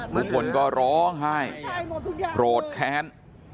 ทุกคนก็ร้องไห้โกรธแค้น